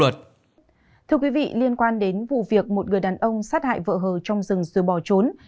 thưa quý vị liên quan đến vụ việc một người đàn ông sát hại vợ hờ trong rừng rồi bỏ trốn